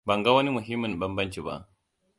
Banga wani muhimmin banbanci ba.